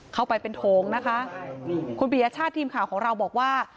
เข้าไปเป็นโถงนะคะคุณปียชาติทีมข่าวของเราบอกว่า